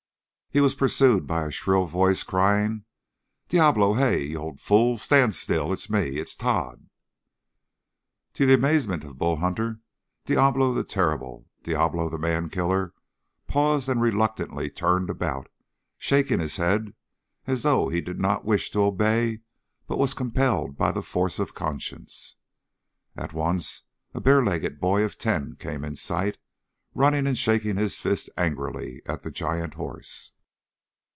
He was pursued by a shrill voice crying, "Diablo! Hey! You old fool! Stand still ... it's me ... it's Tod!" To the amazement of Bull Hunter, Diablo the Terrible, Diablo the man killer, paused and reluctantly turned about, shaking his head as though he did not wish to obey but was compelled by the force of conscience. At once a bare legged boy of ten came in sight, running and shaking his fist angrily at the giant horse.